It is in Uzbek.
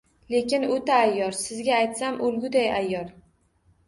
Lekin oʻta ayyor, sizga aytsam, oʻlguday ayyor!